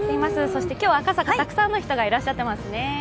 そして今日は赤坂、たくさんの人がいらっしゃっていますね。